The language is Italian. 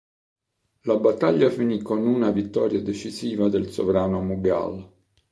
La battaglia finì con una vittoria decisiva del sovrano Mughal.